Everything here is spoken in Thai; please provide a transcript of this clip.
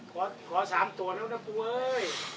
ขอ๓ตัวแล้วนะปูเอ้ย